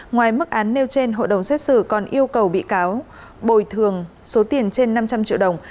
ngoài mức án nêu trên hội đồng xét xử còn yêu cầu bị cáo bồi thường số tiền trên năm trăm linh triệu đồng